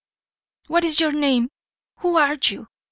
"What is your name? Who are you?"